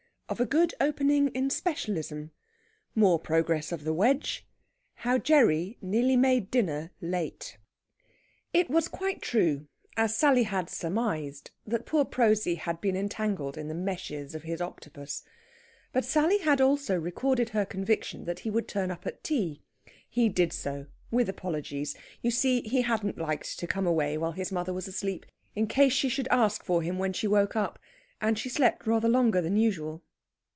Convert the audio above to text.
OF A GOOD OPENING IN SPECIALISM. MORE PROGRESS OF THE WEDGE. HOW GERRY NEARLY MADE DINNER LATE It was quite true, as Sally had surmised, that poor Prosy had been entangled in the meshes of his Octopus. But Sally had also recorded her conviction that he would turn up at tea. He did so, with apologies. You see, he hadn't liked to come away while his mother was asleep, in case she should ask for him when she woke up, and she slept rather longer than usual.